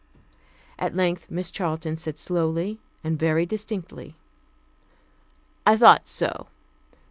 At length Miss Charlton said slowly and very distinctly, "I thought so.